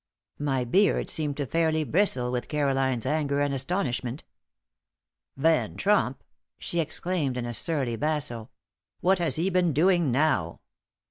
My beard seemed to fairly bristle with Caroline's anger and astonishment. "Van Tromp!" she exclaimed, in a surly basso. "What has he been doing now?